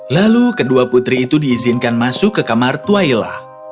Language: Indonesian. lalu kedua putri itu diizinkan masuk ke kamar twaila